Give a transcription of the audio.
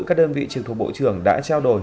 các đơn vị trực thuộc bộ trưởng đã trao đổi